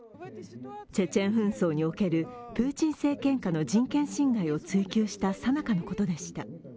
チェチェン紛争におけるプーチン政権下の人権侵害を追及したさなかのことでした。